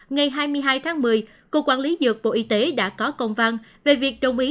ngày hai mươi hai tháng một mươi cục quản lý dược bộ y tế đã có công văn về việc đồng ý